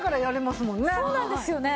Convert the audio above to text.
そうなんですよね。